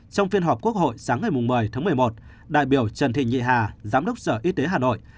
trong phiên họp quốc hội sáng ngày một mươi tháng một mươi một đại biểu trần thị nhị hà giám đốc sở y tế hà nội